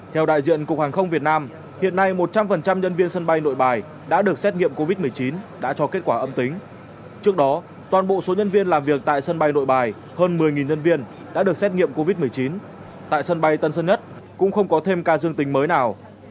theo đại diện cục hàng không việt nam hiện nay một trăm linh nhân viên sân bay nội bài đã được xét nghiệm covid một mươi chín đã cho kết quả âm tính trước đó toàn bộ số nhân viên làm việc tại sân bay nội bài hơn một mươi nhân viên đã được xét nghiệm covid một mươi chín tại sân bay tân sơn nhất cũng không có thêm ca dương tính mới nào